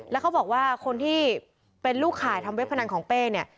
แล้วเขาบอกว่าคนที่เป็นลูกข่ายทำเว็บพนันของเป้เนี่ย